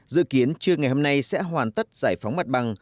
dự kiến trưa ngày hôm nay sẽ hoàn tất giải phóng mặt bằng